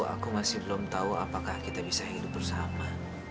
aku masih belum tahu apakah kita bisa hidup bersama